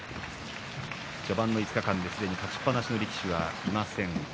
序盤の５日間で、すでに勝ちっぱなしの力士はいません。